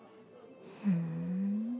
ふん。